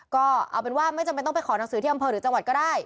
ก็เอาเป็นว่าไม่จำเป็นต้องไปขอหนังสือที่อำเภอหรือจังหวัดก็ได้